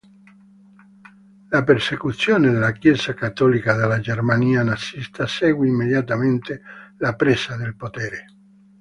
La persecuzione della Chiesa cattolica nella Germania nazista seguì immediatamente la presa del potere.